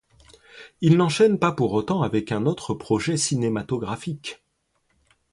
Il n'enchaîne pas pour autant avec un autre projet cinématographique.